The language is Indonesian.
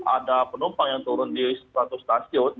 ada penumpang yang turun di satu stasiun